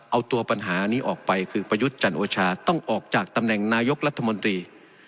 เอาตัวปัญหานี้ออกไปคือประยุทธ์จันโอชาต้องออกจากตำแหน่งนายกรัฐมนตรี